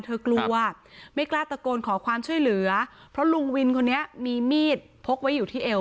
เธอกลัวไม่กล้าตะโกนขอความช่วยเหลือเพราะลุงวินคนนี้มีมีดพกไว้อยู่ที่เอว